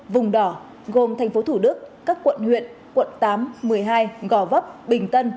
vùng đỏ gồm thành phố thủ đức các quận huyện quận tám một mươi hai gò vấp bình tân